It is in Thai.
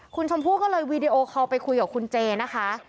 คุณชมพู่ก็เลยวีดีโอคอลไปคุยกับคุณเจนะคะ